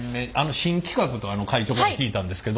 新企画と会長から聞いたんですけど。